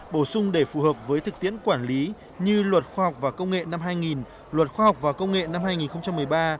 bổ sung để phù hợp với thực tiễn quản lý như luật khoa học và công nghệ năm hai nghìn luật khoa học và công nghệ năm hai nghìn một mươi ba